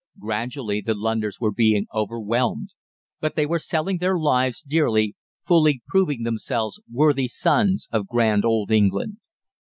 Gradually the Londoners were being overwhelmed, but they were selling their lives dearly, fully proving themselves worthy sons of grand old England.